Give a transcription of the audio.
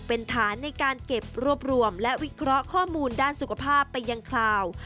เป็นฐานในการเก็บรวบรวมและวิเคราะห์ข้อมูลด้านสุขภาพไปยังคราว